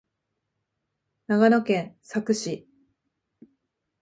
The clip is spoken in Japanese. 長野県佐久市